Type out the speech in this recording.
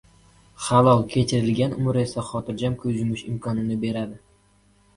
halol kechirilgan umr esa xotirjam ko‘z yumish imkonini beradi.